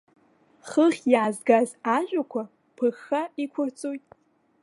Хыхь иаазгаз ажәақәа ԥыхха иқәырҵоит.